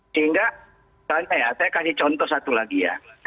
sehingga saya kasih contoh satu lagi ya